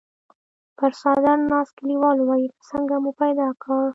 پر څادر ناست کليوال وويل: څنګه مو پيدا کړ؟